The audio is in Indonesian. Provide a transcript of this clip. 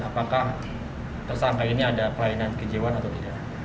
apakah tersangka ini ada pelayanan kejiwaan atau tidak